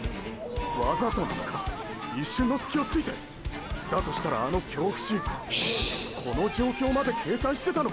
わざとなのか一瞬のスキをついて⁉だとしたらあの京伏この状況まで計算してたのか⁉